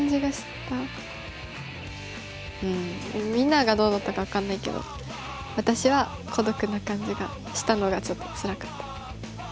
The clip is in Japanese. うんみんながどうだったか分かんないけど私は孤独な感じがしたのがちょっとつらかった。